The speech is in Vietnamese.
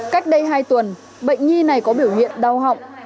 cách đây hai tuần bệnh nhi này có biểu hiện đau họng